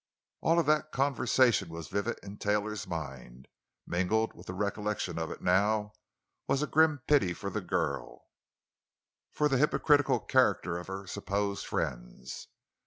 All of that conversation was vivid in Taylor's mind, and mingled with the recollection of it now was a grim pity for the girl, for the hypocritical character of her supposed friends.